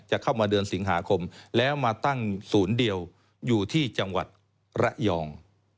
จะเข้ามาเดือนสิงหาคมแล้วมาตั้งศูนย์เดียวอยู่ที่จังหวัดระยอง